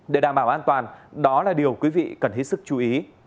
để đảm bảo an toàn đó là điều quý vị cần hết sức chú ý